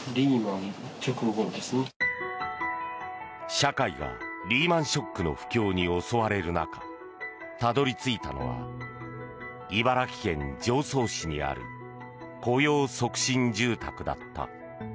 社会がリーマン・ショックの不況に襲われる中たどり着いたのは茨城県常総市にある雇用促進住宅だった。